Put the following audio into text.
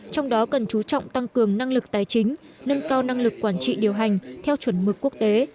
trong đó cần chú trọng tăng cường năng lực tài chính nâng cao năng lực quản trị điều hành theo chuẩn mực quốc tế